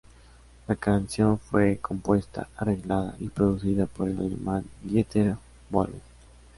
La canción fue compuesta, arreglada y producida por el alemán Dieter Bohlen.